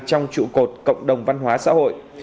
trong trụ cột cộng đồng văn hóa xã hội